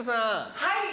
はい。